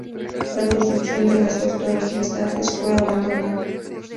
La construcción de las dos torres restantes fue abandonada.